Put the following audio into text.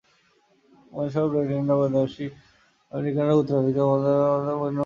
উদাহরণস্বরূপ, Red Indian বা আদিবাসী আমেরিকানরা উত্তর আমেরিকা, মধ্য আমেরিকা ও ক্যারিবিয়ান অঞ্চলে বাস করে।